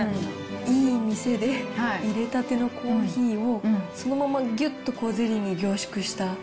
いい店でいれたてのコーヒーをそのままぎゅっとゼリーに凝縮した。